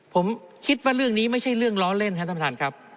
ผมคิดว่าเรื่องนี้ไม่ใช่เรื่องล้อเล่นครับท่านประธานครับ